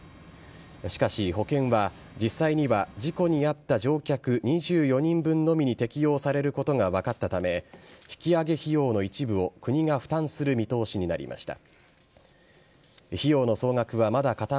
しかし、保険は実際には事故に遭った乗客２４人分のみに適用されることが分かったため引き揚げ費用の一部を国が負担する見通しになりました。